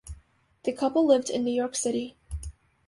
The couple lived in New York City.